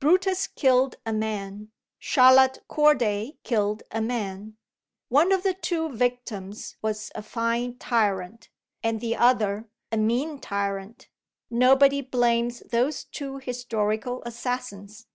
Brutus killed a man; Charlotte Corday killed a man. One of the two victims was a fine tyrant, and the other a mean tyrant. Nobody blames those two historical assassins.